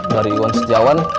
dari iwan sejawan